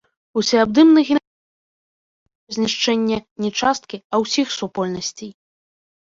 Усеабдымны генацыд мае мэтай такое знішчэнне не часткі, а ўсіх супольнасцей.